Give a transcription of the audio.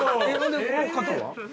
この方は？